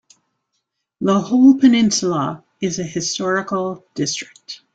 The whole peninsula is a historical district.